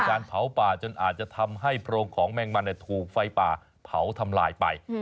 การเผาป่าจนอาจจะทำให้โพรงของแมงมันถูกไฟป่าเผาทำลายไป